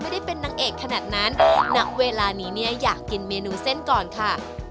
ไม่ได้เป็นนางเอกขนาดนั้นณเวลานี้เนี่ยอยากกินเมนูเส้นก่อนค่ะ